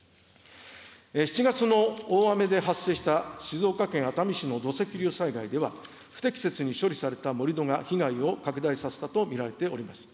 ７月の大雨で発生した静岡県熱海市の土石流災害では、不適切に処理された盛土が被害を拡大させたと見られております。